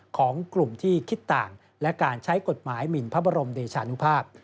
ของกลุ่มที่คิดต่างและการใช้กฎหมายหมินพระบรมเดชานุภาพ